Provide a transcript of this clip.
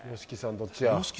どっちや？